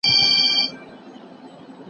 زما یې وزرونه سوځېدو ته پیدا کړي دي